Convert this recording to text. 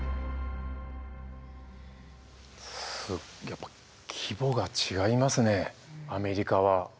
やっぱ規模が違いますねアメリカは。